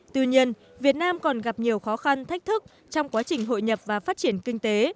tuy nhiên việt nam còn gặp nhiều khó khăn thách thức trong quá trình hội nhập và phát triển kinh tế